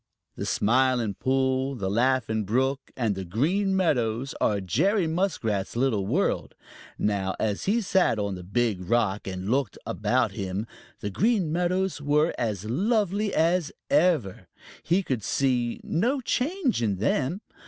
The Smiling Pool, the Laughing Brook, and the Green Meadows are Jerry Muskrat's little world. Now, as he sat on the Big Rock and looked about him, the Green Meadows were as lovely as ever. He could see no change in them.